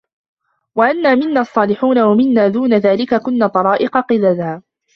وَأَنّا مِنَّا الصّالِحونَ وَمِنّا دونَ ذلِكَ كُنّا طَرائِقَ قِدَدًا